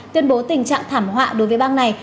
tuyên bố tình trạng thảm họa đối với bang này